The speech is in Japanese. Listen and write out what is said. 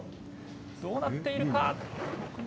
どうなっているか。